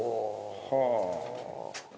はあ。